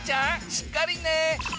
しっかりね！